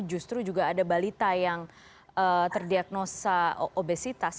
justru juga ada balita yang terdiagnosa obesitas